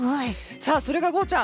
それがゴーちゃん。